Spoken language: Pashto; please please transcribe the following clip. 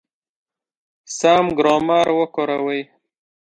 سم ګرامر وکاروئ!